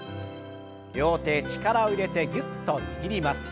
両手力を入れてぎゅっと握ります。